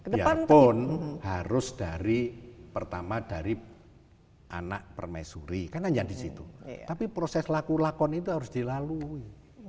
biarpun harus dari pertama dari anak permaisuri kan hanya di situ tapi proses laku lakon itu harus dilalui